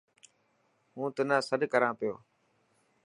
هون تنا سڏ ڪران پيو.